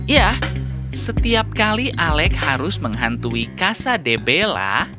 ya setiap kali alek harus menghantui casa de bella